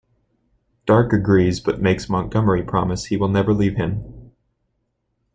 Dark agrees but makes Montgomery promise he will never leave him.